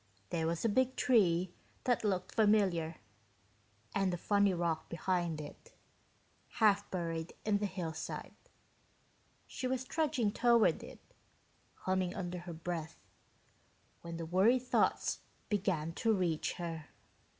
There was a big tree that looked familiar, and a funny rock behind it, half buried in the hillside. She was trudging toward it, humming under her breath, when the worry thoughts began to reach her.